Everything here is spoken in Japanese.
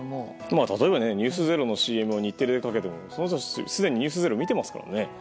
例えば「ｎｅｗｓｚｅｒｏ」のＣＭを日テレでかけてもその人たちはすでに「ｎｅｗｓｚｅｒｏ」を見ていますからね。